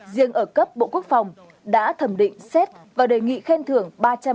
riêng ở cấp bộ quốc phòng đã thẩm định xét và đề nghị khen thưởng